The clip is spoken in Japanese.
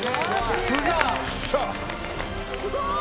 「すごい！」